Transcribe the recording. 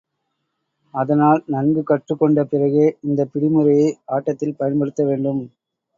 அதனால், நன்கு கற்றுக்கொண்ட பிறகே, இந்தப் பிடிமுறையை ஆட்டத்தில் பயன்படுத்த வேண்டும்.